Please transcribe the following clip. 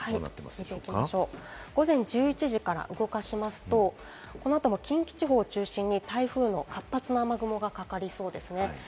見ていきましょう、午前１１時から動かしますと、この後も近畿地方を中心に台風の活発な雨雲がかかりそうです。